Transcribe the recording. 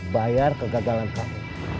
bayar kegagalan kamu